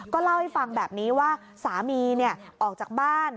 ก็เล่าให้ฟังแบบนี้ว่าสามีออกจากบ้าน